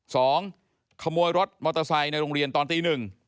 ขโมยรถมอเตอร์ไซค์ในโรงเรียนตอนตีหนึ่ง